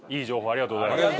ありがとうございます。